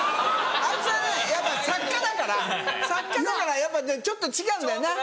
あいつやっぱ作家だからやっぱねちょっと違うんだよな。